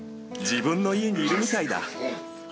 自分の家にいるみたいだ。